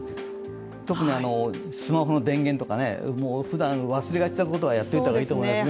特にスマホの電源とか、普段忘れがちなことはやっておいた方がいいと思いますね。